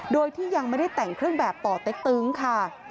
โดยที่ยังไม่ได้แต่งเครื่องแบบป่อเต็กตึงค่ะ